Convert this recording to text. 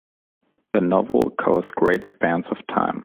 The novel covers great spans of time.